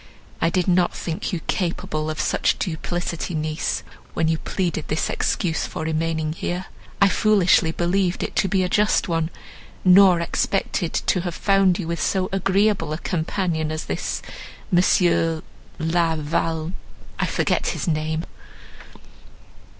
I did not think you capable of so much duplicity, niece; when you pleaded this excuse for remaining here, I foolishly believed it to be a just one, nor expected to have found with you so agreeable a companion as this M. La Val—, I forget his name."